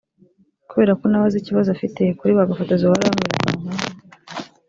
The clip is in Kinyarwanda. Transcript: Kubera ko na we azi ikibazo afite kuri bagafotozi bahora bamwirukankaho